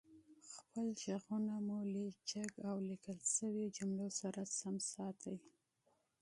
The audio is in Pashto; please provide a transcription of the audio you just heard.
خپل غږونه مو لږ جګ او ليکل شويو جملو سره سم ساتئ